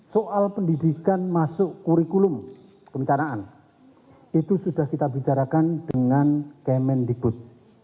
soal pendidikan masuk kurikulum kebencanaan itu sudah kita bicarakan dengan kemendikbud